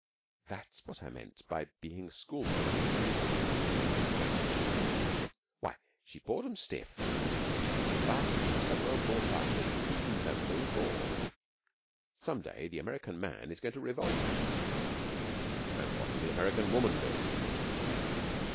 'That's what I mean by being school manned to death,' said my acquaintance wickedly. 'Why, she bored 'em stiff; but they are so well brought up, they didn't even know they were bored. Some day the American Man is going to revolt.' 'And what'll the American Woman do?'